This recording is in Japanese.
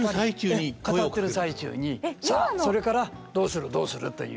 語ってる最中に「それからどうするどうする」という。